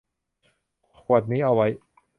ขวดนี้เอาไว้